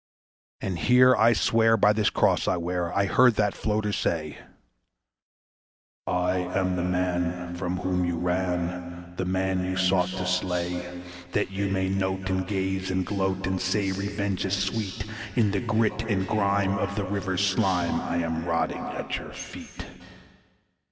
And here I swear by this Cross I wear, I heard that "floater" say: "I am the man from whom you ran, the man you sought to slay. That you may note and gaze and gloat, and say 'Revenge is sweet', In the grit and grime of the river's slime I am rotting at your feet.